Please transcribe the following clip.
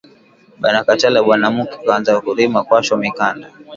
Banakatala banamuke kwanza kurima kwasho mikanda